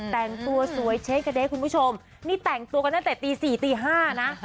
แต่งตัวสวยเชฟกระเด๊คุณผู้ชมนี่แต่งตัวกันตั้งแต่ตี๔ตี๕นะ